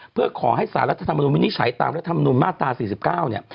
เพื่อขอให้สารรัฐธรรมนุนวินิจฉัยตามรัฐมนุนมาตรา๔๙เนี่ย